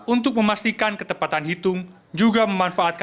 untuk memastikan ketepatan hitung juga memanfaatkan alat alat yang diperlukan